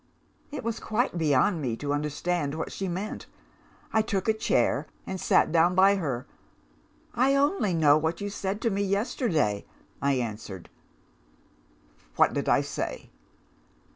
"It was quite beyond me to understand what she meant. I took a chair, and sat down by her. 'I only know what you said to me yesterday,' I answered. "'What did I say?